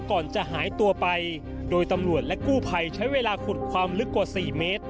ก่อนจะหายตัวไปโดยตำรวจและกู้ภัยใช้เวลาขุดความลึกกว่า๔เมตร